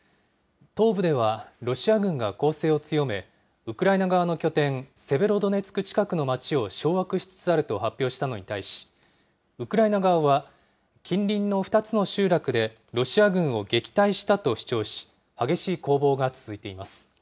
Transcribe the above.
東部ではロシア軍が攻勢を強め、ウクライナ側の拠点、セベロドネツク近くの街を掌握しつつあると発表したのに対し、ウクライナ側は、近隣の２つの集落で、ロシア軍を撃退したと主張し、激しい攻防が続いています。